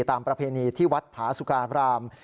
ตามประเพณีที่วัดผาสุการพราหมณ์